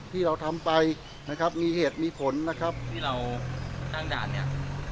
ที่เราทำไปนะครับมีเหตุมีผลนะครับที่เราตั้งด่านเนี่ย